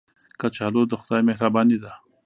کچالو د خدای مهرباني ده